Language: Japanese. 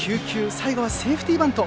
最後はセーフティーバント。